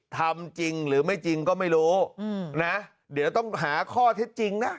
ทำจริงหรือไม่จริงก็ไม่รู้นะเดี๋ยวต้องหาข้อเท็จจริงนะ